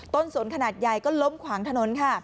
ต้นศนขนาดใหญ่ก็ล้มความถนน